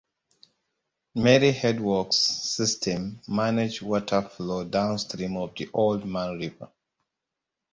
Mary Headworks System manage water flow downstream of the Oldman River.